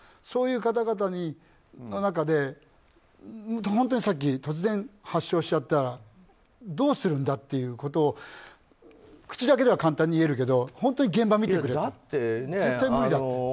そういう方々の中で本当に、突然発症しちゃったらどうするんだということを口だけでは簡単に言えるけど本当に現場を見てくれたら絶対に無理だと。